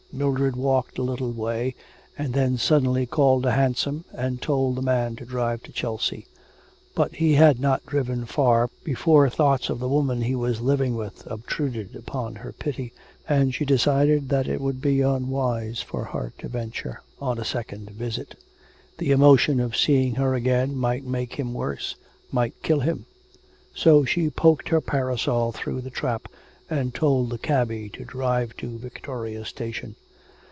Mildred walked a little way, and then suddenly called a hansom and told the man to drive to Chelsea. But he had not driven far before thoughts of the woman he was living with obtruded upon her pity, and she decided that it would be unwise for her to venture on a second visit. The emotion of seeing her again might make him worse, might kill him. So she poked her parasol through the trap, and told the cabby to drive to Victoria Station.